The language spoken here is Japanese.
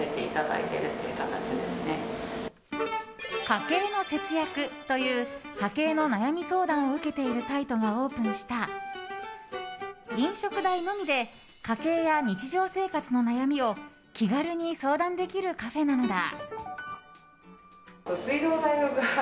家計のせつやくという家計の悩み相談を受けているサイトがオープンした飲食代のみで日常生活の悩みを気軽に相談できるカフェなのだ。